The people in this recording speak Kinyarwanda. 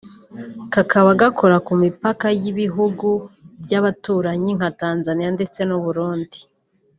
kakaba gakora ku mipaka y’ibihugu by’abaturanyi nka Tanzaniya ndetse n’u Burundi